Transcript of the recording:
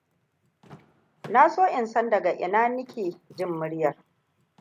Na so in san daga ina ne nike jin muryan.